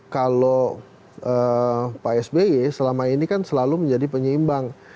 kalau pak sby selama ini kan selalu menjadi penyeimbang